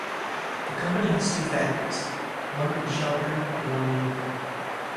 The company has two factories: one in Shelburne and one in Newport.